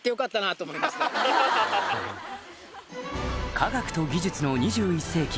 科学と技術の２１世紀